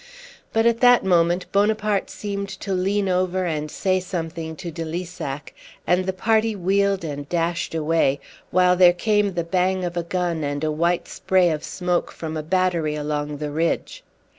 But at that moment Bonaparte seemed to lean over and say something to de Lissac, and the party wheeled and dashed away, while there came the bang of a gun and a white spray of smoke from a battery along the ridge.